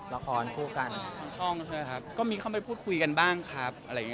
ละครผู้กันช่องใช่ไหมครับก็มีเข้าไปพูดคุยกันบ้างครับ